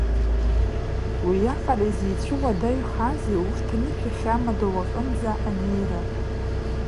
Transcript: Уиаҟара изицәуадаҩхазеи урҭ анышә иахьамадоу аҟынӡа анеира?